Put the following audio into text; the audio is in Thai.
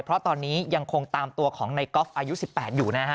เพราะตอนนี้ยังคงตามตัวของในก๊อฟอายุ๑๘อยู่นะฮะ